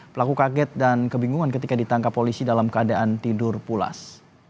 pelaku kaget dan kebingungan ketika ditangkap polisi dalam keadaan tidur pulas